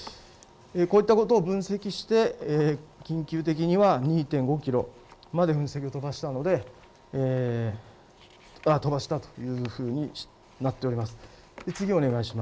こういったことを分析して緊急的には２．５キロまで噴石を飛ばしたというふうになっております。